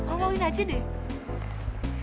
siapa mau maul wina aja deh